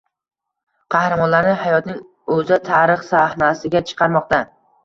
Qahramonlarni hayotning oʻzi tarix sahnasiga chiqarmoqda.